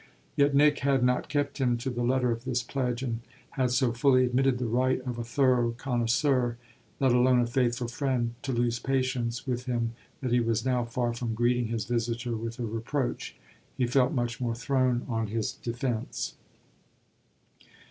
Yet Nick had not kept him to the letter of this pledge, and had so fully admitted the right of a thorough connoisseur, let alone a faithful friend, to lose patience with him that he was now far from greeting his visitor with a reproach. He felt much more thrown on his defence.